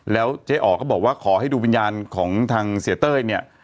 แล้วเจ๊อ๋อก็บอกว่าขอให้ดูวิญญาณของทางเสียเต้ยเนี่ย